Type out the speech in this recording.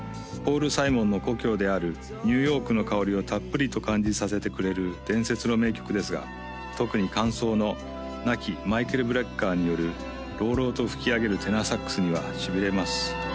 ポール・サイモンの故郷であるニューヨークのかおりをたっぷりと感じさせてくれる伝説の名曲ですが特に間奏の亡きマイケル・ブレッカーによる朗々と吹き上げるテナーサックスにはしびれます